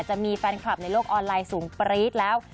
จะมีแฟนคลับในโลกออนไลน์สูงปรี๊ดแล้ว